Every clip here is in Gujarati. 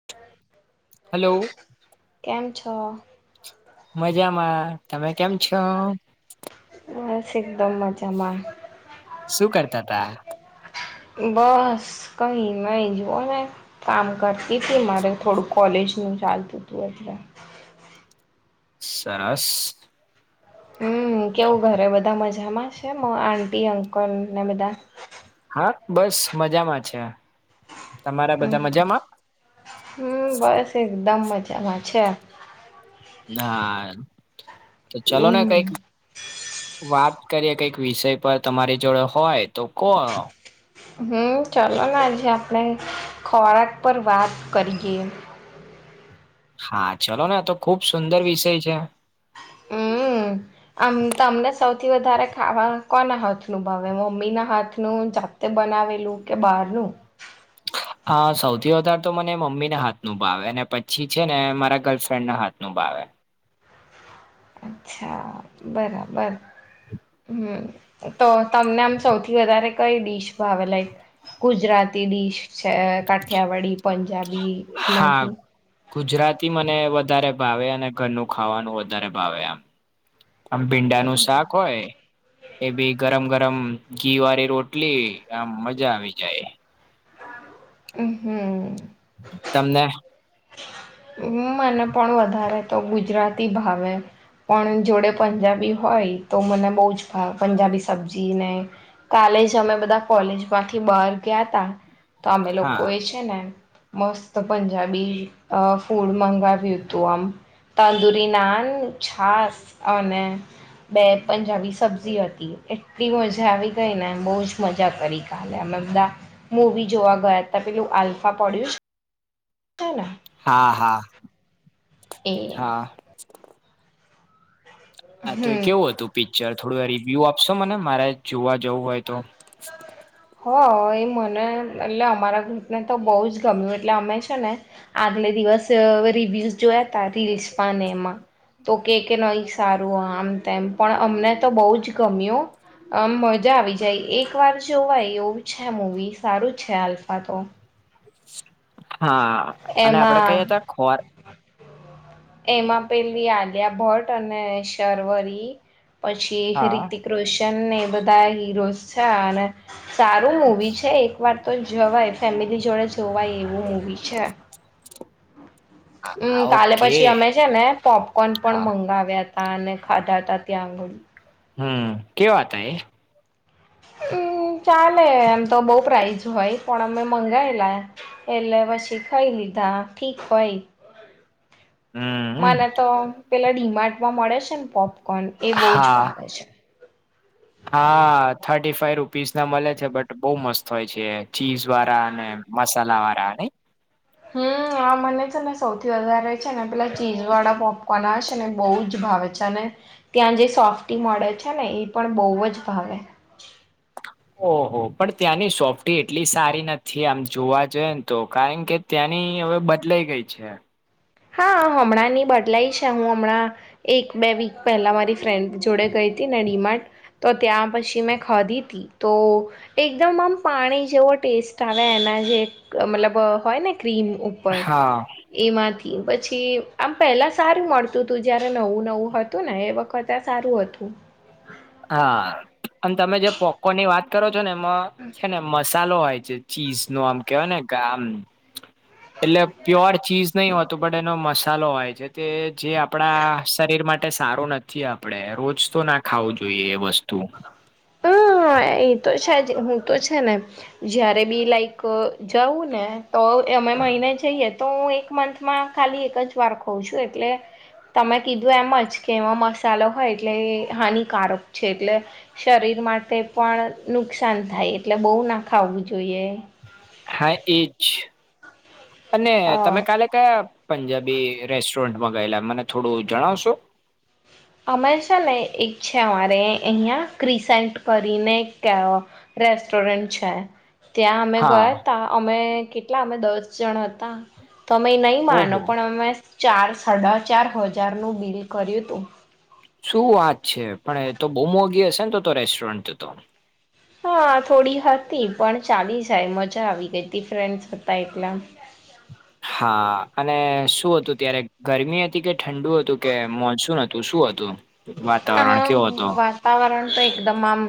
[inaudible] હાલો. કેમ છો? મજામાં તમે કેમ છો? બસ એકદમ મજામાં શું કરતાતા? બસ કઈ નય જુઓ ને કામ કરતીતી મારે થોડું કોલેજનું ચાલતુંતું એટલે સરસ. હમ કેવું ઘરે બધા મજામાં છે, આટી અંકલ ને બધા? હા બસ મજામાં છે. તમારા બધા હમ્મ મજામાં? તે એકદમ મજામાં છે. ના તો ચાલો ને કઈક હમ્મ વાત કરીએ કઈક વિષય પર તમારી જોડે હોય તો કો હમ ચલો ને આજે આપણે ખોરાક પર વાત કરીએ હા ચલો ને તો ખુબ સુંદર વિષય છે. [inaudible] આમ તમને સૌથી વધારે ખાવા કોના હાથ નુ ભાવ મમ્મી ના હાથનું જા તે બનાવેલું કે બહારનું હા સૌથી વધારે તો મને મમ્મી ના હાથનુ ભાવે અને પછી છે, ને મારા ગર્લફ્રેન્ડ ના હા નું ભાવે અચ્છા બરાબર હમ. તો તમને આમ સૌથી વધારે કઈ ડીશ ભાવે લાઈક ગુજરાતી ડીશ છે, કાઠિયાવાડી પંજાબી હા એમાંથી ગુજરાતી મને વધારે ભાવે અને ઘરનું ખાવાનું વધારે ભાવે આમ અમ ભીંડાનું શાક હોય એ બી ગરમ ગરમ ઘી વારી રોટલી આમ મજા આવી જાય હમ. તમને હ મને પણ વધારે તો ગુજરાતી ભાવે પણ જોડે પંજાબી હોય તો મને બો જ ભા પંજાબી સબ્જી ને કાલે જ અમે બધા કોલેજમાંથી બહાર ગયા તા તો અમે લોકો હા એ છે, ને મસ્ત પંજાબી અ ફૂડ મંગાવ્યુંતું આમ તંદૂરી નાન, છાસ અને બે પંજાબી સબ્જી હતી એટલી મજા આવી ગઈ ને બો જ મજા કરી કાલે અમે બધા મૂવી જોવા ગયાતા પેલું આલ્ફા પડ્યું [inaudible] હા હા. એમ હા આ તો એ હમ કેવું હતું પિક્ચર થોડું રિવ્યુ આપશો મને મારે જોવા જવું હોય તો હો એ મને એટલે અમારા ગ્રુપને તો બો જ ગમ્યું એટલે અમે છે, ને આગલે દિવસ રિવ્યુઝ જોયા તા રીલ્સમાં ને એમાં તો કે કે નહી સારું આમ તેમ પણ અમને તો બો જ ગમ્યું અમ મજા આવી જાય એક વાર જોવાય એવું છે, મૂવી સારું છે, આલ્ફા તો હા. અને આપડે એમાં કહીએ હતા ખોર એમાં પેલી આલિયા ભટ્ટ અને શર્વરી પછી હા રીતિક રોશનને એ બધા હીરોઝ છે, અને સારું મૂવી છે, એક વાર તો જવાય ફેમિલી જોડે જોવાય એવું મૂવી છે. હમ હા કાલે ઓકે પછી અમે છે, ને પોપકોન પણ હા મંગાવ્યા તા અનેને ખાધા તા ત્યાં આગળી હમ કેવા હતા એ? હમ ચાલે એમ તો બો પ્રાઇઝ હોય પણ અમે મંગાયેલા એટલે પછી ખઈ લીધા ઠીક હોય. હમ મને તો પેલા ડીમાર્ટમાં મળે છે, ને પોપકોર્ન એ બો જ હા ભાવે છે. હા થર્ટી ફાઈવ રૂપીસ ના મળે છે બટ બઉુ મસ્ત હોય છે ચીઝ વાળા, અને મસાલા વાળા નઈ. હા. હમ આ મને છે ને સૌથી વધારે છે ને પેલા ચીઝ વાળા પોપકોર્ન આવે શે ને બહુ જ ભાવે, છે ને ત્યાં જે સોફ્ટી મડે છે ને એ પણ બહુ જ ભાવે. ઓહો પણ ત્યાંની સોફ્ટી એટલી સારી નથી આમ જોવા જોઈએ તો કારણ કે ત્યાંની હવે બદલાઈ ગઈ છે. હા હમણાં ની બદલાઈ છે હું હમણાં, એક બે વીક પહેલા મારી ફ્રેન્ડ જોડે ગઈ હતી ને ડીમાર્ટ, તો ત્યાં પછી મેં ખાધી હતી તો, એકદમ આમ પાણી જેવો ટેસ્ટ આવે એના જે મતલબ હોય ને ક્રીમ ઉપ પર હા. એ માથી પછી આમ પહેલાં સારું મળતું હતું જ્યારે નવું નવું હતું ને એ વખતે આ સારું હતું. હા અને તમે જે પોપકો ની વાત કરો છો ને એમાં, [inaudible] છે ને મસાલો હોય છે ચીઝ નો આમ કેવાય ને કે આમ, એટલે પ્યોર ચીઝ, નહીં હોતું બટ એનો મસાલો હોય છે તે જે આપણા શરીર માટે સારું નથ થી આપણેે રોજ તો ના ખાવું જોઈએ એ વસ્તુ હમ એ તો છેજ હું તો છે ને, જયારે બી લાઈક જવું ને તો અમે મહિને જઈએ તો હું એક મંથ માં ખાલી એક જ વાર ખઉં છું એટલે, તમે કીધું એમ જ કે એમાં મસાલો હોય એટલે એ હાનિકારક છે એટલે, શરીર માટે પણ નુકસાન થાય એટલે બહુ ના ખાવું જોઈએ. હા એજ, અને હા તમે કાલે કયા પંજાબી રેસ્ટોરન્ટમાં ગયેલા મને થોડું જણાવશો? અમે છે ને એક છે મારે અહીંયા ક્રિસેન્ટ કરીને [unintelligible] રેસ્ટોરંન્ટ છે. ત્યાં અમે હા ગયા તા અમે કેટલા અમે દસ જણ હતા. તમે નહી માનો ઓહો પણ અમે ચાર સાડા ચાર હજાર નું બિલ કર્યું હતું. શું વાત છે પણ એ તો બહુ મોગી હસે ન તો તો રેસ્ટોરન્ટ તો, હા થોડી હતી પણ ચાલી જાય મજા આવી ગઈ હતી ફ્રેન્ડસ હતા એટલા, હા અને શું હતું ત્યારે ગરમી હતી કે ઠંડુ હતું કે મોનસૂન હ તું શું હતું વાતાવરણ હા કેવો હતો. વાતાવરણ તો એકદમ આમ,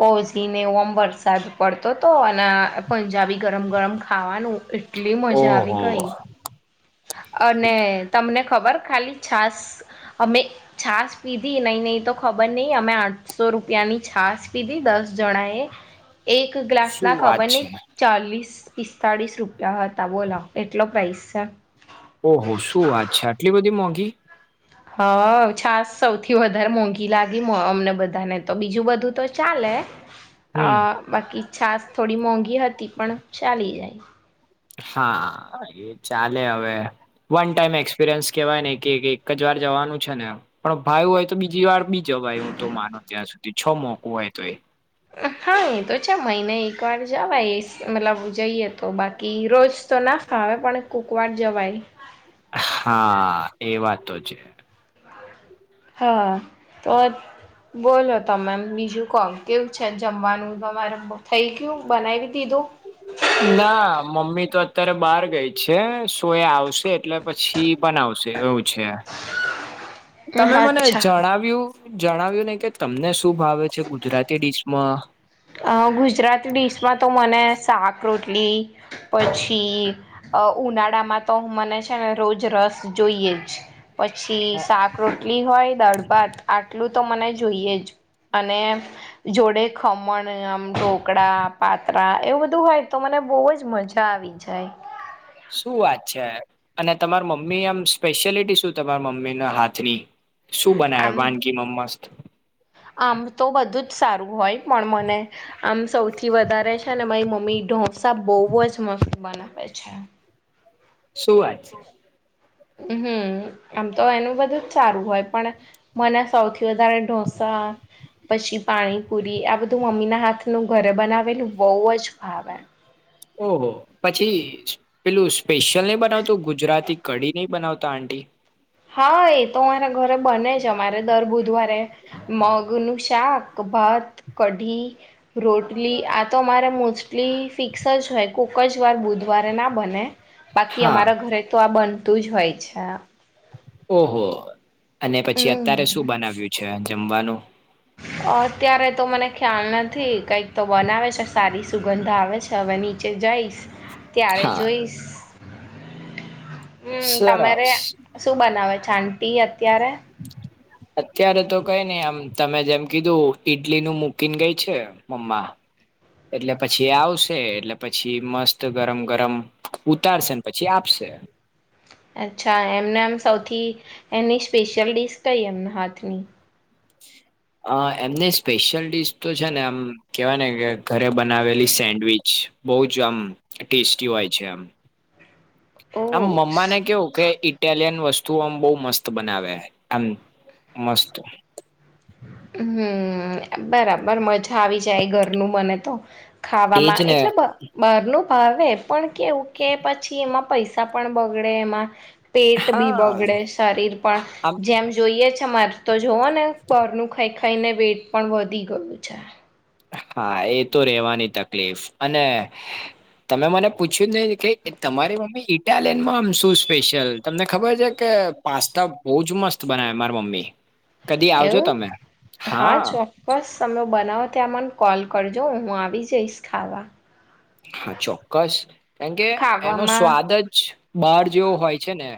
કોઝીને એવું ઓમ વરસાદ પડતો હતો અને પંજાબી ગરમ ગરમ ખાવાનું, એટલી મજા આવી ઓહો ગઈ. અને તમને ખબર ખાલી છાસ અમે, છાશ પીધી નહી નહી તો ખબર નહી અમે આઠસો રૂપિયા ની છાસ પીધી દસ જણા એ, એક શું ગ્લાસના વાત ખબર નહી, છે ચાલીસ પિસ્તાળીસ રૂપિયા હતા બોલો એટલો પ્રાઇસ સ, ઓહો શું વાત છે આટલી બધી મોંઘી. હ છાસ સૌથી વધારે મોંઘી લાગી અમને બધાને તો બીજું બધું તો ચાલે, અ હમ બાકી છાસ થોડી મોંઘી હતી પણ ચાલી જાય. હા એ ચાલે હવે. વન ટાઈમ એક્સપિરિયન્સ કેહેવાય ને કે એક જ વાર જવાનું છે ન પણ ફાયું હોય તો બીજી વાર બી જવાય હું તો માનું ત્યાં સુધી છ મોકું હોય તો એ અ હા એતો છે મહિને એક વાર જવાઇ સ મતલબ જઈએ તો બાકી રોજ તો ના હવે પણ કોક વાર જવાઇ હા એ વાત તો છે. હા તો બોલો તમ એમ બીજું કો કેવું છે જમવાનું તમારે થઈ ગયું બનાવી દીધું ના મમ્મી તો અત્યારે બહાર ગઈ છે સો એ આવશે એટલે પછી બનાવશે એવું છે તમે મને અચ્છા જણાવ્યું જણાવ્યું નઈ કે તમને શું ભાવે છે ગુજરાતી ડિશમાં? અ ગુજરાતી ડિશમાં તો મને શાક રોટલી પછી અ ઉનાળામાં તો મને છે ને રોજ રસ જોઈએ જ પછી શાક રો લી હોય દાળભાત આટલું તો મને જોઈએ જ અને જોડે ખમ મન આમ ઢોકળા પાત્રા એવું બધું હોય તો મને બહુજ મજા આવી જાય. શું વાત છે અને તમાર મમ્મી આમ સ્પેશિયાલિટી શું તમારા મમ્મીના હાથ ની? શું બનાવે આમ વાનગી માં મસ્ત? આમ તો બધું જ સારું હોય પણ મને આમ સૌથી વધારે છે મારી મમ્મી ઢોસા બહુ જ મસ્ત બનાવે છે. સુ વાત છે હમ્મ આમ તો એનું બધું જ સારું હોય પણ મને સૌથી વધારે ઢોસા પછી પાણીપુરી આ બધું મમ્મીના હાથનું ઘરે બનાવેલું બઉ અજ ભાવે ઓહો પછી જ પેલું સ્પેશિયલ નહી બનાવતું ગુજરાતી કઢી નહી બનાવતા આંટી હા એતો મારા ઘરે બને જ અમારે દર બુધવારે મગનું શાક ભાત કઢી રોટલી આતો અમારે મોસ્ટલી ફિક્સ જ હોય કોક જ વાર બુધવારે ના બને બાકી હા અમારા ઘરે તો આ બનતું જ હોય છે. ઓહો અને પછી અત્યારે હમ શું બનાવ્યું છે જમવાનું? અત્યારે તો મને ખ્યાલ નથી કઈક તો બનાવે છે સારી સુગંધ આવે છે અવ એની ચે જઈશ ત્યારે હા જોઈશ હમ્મ તમારે સરસ શું બનાવે છે આટી અત્યારે? અત્યારે તો કઈ નઈ આમ તમે જેમ કીધું ઈડલી નું મુૂકીને ગઈ છે મમ્મા એટલે પછી આવશે એટલે પછી મસ્ત ગરમ ગરમ ઉતારશે ને પછી આપશે અચ્છા એમને આમ સૌથી એની સ્પેશિયલ ડડીશ કઈ એમને હાથની? અ એમને સ્પેશિયલ ડીશ તો છે ને આમ કેવાય ને કે ઘરે બનાવેલી સેન્ડવીચ બહુ જ આમ ટેસ્ટી હોય છે આમ હ આમ મમ્મા ને કેવું કે ઈટ ઇટાલિયન વસ્તુઓ આમ બહ મસ્ત બનાવે એમ મસ્ત હમ્મ બરાબર મજા આવી જાય ઘરનું મને તો એજ ખાવામાં ને એટલે બ બાર નું ભાવે પણ કેવું કે પછી એમાં પૈસા પણ બગડે એમાં પેટ બી હા બગડે શરીર પણ આમ જેમ જોઈએ છે મારે તો જુઓ ને બારનું ખાઈ ખાઈને વેટ પણ વધી ગયું છે. હા એ તો રહેેવાની તકલીફ અને તમે મને પૂછ્યું નહી કે તમારી મમ્મી ઇટાલિયનમાં આમ શું સ્પેશિયલ તમને ખબર છે કે પાસ્તા બહુ જ મસ્ત બનાય મારી મમ્મી કદી આવજો એવું તમે હા ચો ક્કસ તમે બનાવો ત્યાં મને કોલ કરજો હું આવી જઈશ ખાવા. હા ચોક્કસ કેંકે એનો ખાવામાં સ્વાદ જ બહાર જેવો હોય છે ને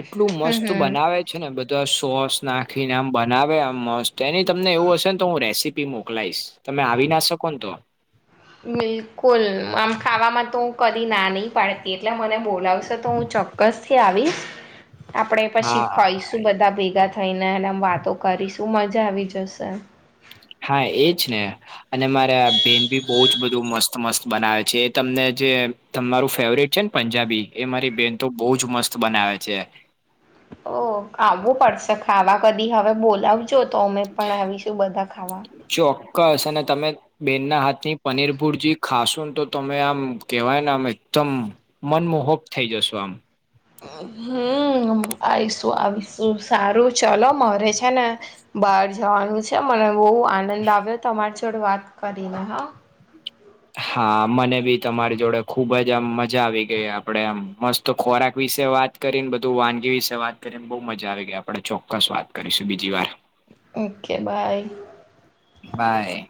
એટલું હમ્મ મસ્ત હમ્મ બનાવે છે ને બધા સોસ નાખીને આમ બનાવે આમ મસ્ત એની તમને એવું હશે ને તો હું રેસીપી મોકલાઈશ તમે આવી ના શકો ન તો બિલકુલ આમ ખાવામાં તો હું કદી ના નહીં પાડતી એટલે મને બોલાવશેો તો હું ચો ક્કસથી આવીશ આપડે પછી હા ખઈશું બધા ભેગા થઈને એ આમ વાતો કરીશું મજા આવી જશે. હા એજ ને અને મારા બેન ભી બો જ બધું મસ્ત મસ્ત બનાવે છે એ તમને જે તમારું ફેવરેટ છે ને પંજાબી એ મારી બેહેન તો બહુજ મસ્ત બનાવે છે. ઓ આવું પડશે ખાવા કદી હવે બોલાવજો તો અમે પણ આવીશું બધા ખાવા. ચોક્કસ અને તમે બેન ના હાથ ની પનીર ભુરજી ખાશુ ને તો તમે આમ કેવાય ને આમ એકદમ મનમોહક થઈ જશો આમ હમ્મ આઈશું આવીશું સારું ચલો મારે છે ને બહાર જવાનું છે મને બહુ આનંદ આવ્યો તમારી જોડે વાત કરીને હા હા મને બી તમારી જોડે ખુબ જ આમ મજા આવી ગઈ આપડે આમ મસ્ત ખોરાક વિશે વાત કરીને બધું વાનગી વિશે વાત કરીને બહુ મજા આવી ગઈ આપણે ચોક્કસ વાત કરીશું બીજી વાર. Okay bye by